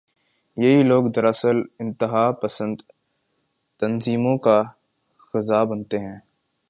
یہی لوگ دراصل انتہا پسند تنظیموں کی غذا بنتے ہیں۔